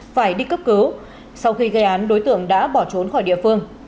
phải đi cấp cứu sau khi gây án đối tượng đã bỏ trốn khỏi địa phương